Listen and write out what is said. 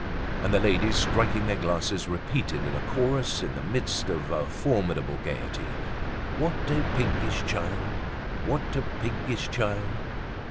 And the ladies, striking their glasses, repeated in chorus in the midst of a formidable gaiety: "What a piggish child! What a piggish child!"